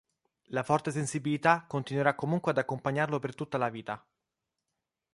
La forte sensibilità continuerà comunque ad accompagnarlo per tutta la vita.